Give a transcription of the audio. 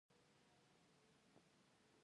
چار مغز د افغانستان د طبیعي زیرمو برخه ده.